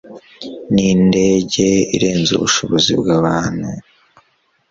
Nindege irenze ubushobozi bwabantu